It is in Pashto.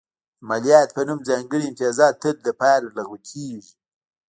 د مالیاتو په نوم ځانګړي امتیازات تل لپاره لغوه کېږي.